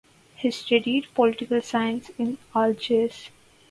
He studied political science in Algiers.